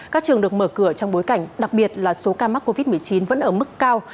các trường được mở cửa trong bối cảnh đặc biệt là số ca mắc covid một mươi chín vẫn ở mức cao